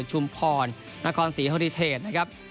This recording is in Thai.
ชุมพรนครศรีอริเทจนะครับ